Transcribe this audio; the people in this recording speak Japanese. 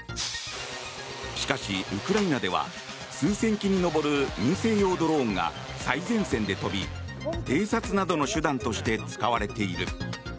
しかし、ウクライナでは数千機に上る民生用ドローンが最前線で飛び偵察などの手段として使われている。